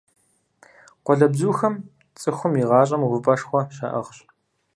Къуалэбзухэм цӀыхум и гъащӀэм увыпӀэшхуэ щаӀыгъщ.